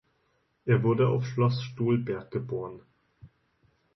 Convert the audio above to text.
Er wurde auf Schloss Stolberg geboren.